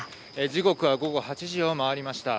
時刻は午後８時を回りました。